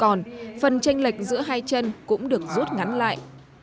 còn phần tranh lệch giữa hai chân cũng được rút ngắn lại